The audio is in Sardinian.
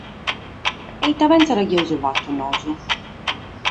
E ite pensade chi amus fatu nois?